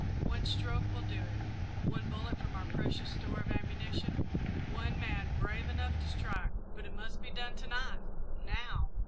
One stroke will do it one bullet from our precious store of ammunition one man brave enough to strike; but it must be done to night now!"